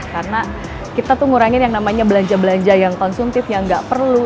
karena kita tuh ngurangin yang namanya belanja belanja yang konsumtif yang nggak perlu